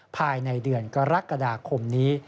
ภายในเดือนกรกฎาคมนี้